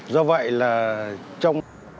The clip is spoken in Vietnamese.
do vậy là trong